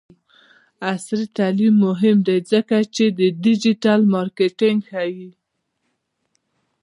عصري تعلیم مهم دی ځکه چې د ډیجیټل مارکیټینګ ښيي.